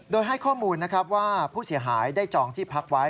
โดยให้ข้อมูลนะครับว่าผู้เสียหายได้จองที่พักไว้